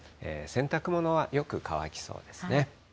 洗濯物はよく乾きそうですね。